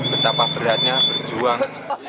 betapa beratnya berjuang